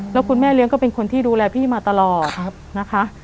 แล้วคุณแม่เลี้ยงก็เป็นคนที่ดูแลพี่มาตลอดนะคะ